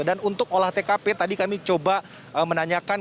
dan untuk olah tkp tadi kami coba menanyakan